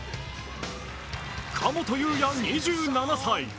神本雄也２７歳。